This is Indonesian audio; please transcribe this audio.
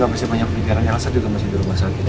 tapi yang pikiran yang aset juga masih berubah sakit